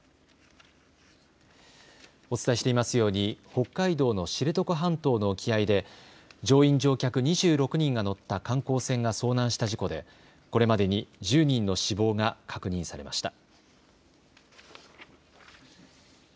お伝えしていますように北海道の知床半島の沖合で乗員・乗客２６人が乗った観光船が遭難した事故でこれまでに１０人の死亡が確認されました。